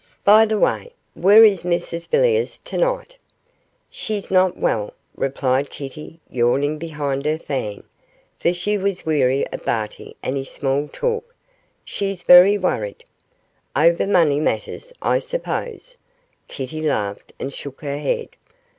By the way, where is Mrs Villiers to night?' 'She's not well,' replied Kitty, yawning behind her fan, for she was weary of Barty and his small talk. 'She's very worried.' 'Over money matters, I suppose?' Kitty laughed and shook her head.